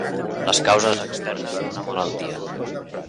Les causes externes d'una malaltia.